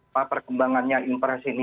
pak perkembangannya impress ini